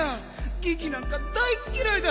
ギギなんか大っきらいだよ！